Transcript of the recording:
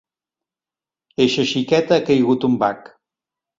Eixa xiqueta ha caigut un bac.